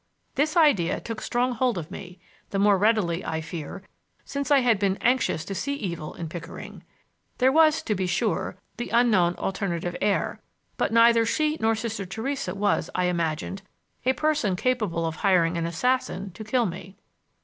This idea took strong hold of me, the more readily, I fear, since I had always been anxious to see evil in Pickering. There was, to be sure, the unknown alternative heir, but neither she nor Sister Theresa was, I imagined, a person capable of hiring an assassin to kill me.